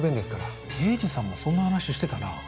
栄治さんもそんな話してたなぁ。